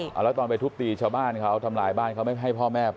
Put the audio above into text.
แล้วตอนไปทุบตีชาวบ้านเขาทำลายบ้านเขาไม่ให้พ่อแม่